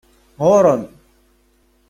Ɣuṛ-m!